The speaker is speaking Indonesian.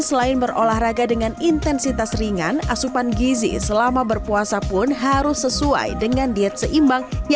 selain berolahraga dengan intensitas ringan asupan gizi selama berpuasa pun harus sesuai dengan diet seimbang